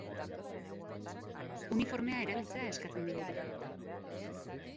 Uniformea erabiltzea eskatzen digute.